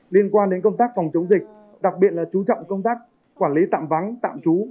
liên quan đến công tác phòng chống dịch đặc biệt là chú trọng công tác quản lý tạm vắng tạm trú